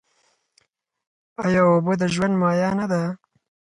آیا اوبه د ژوند مایه نه ده؟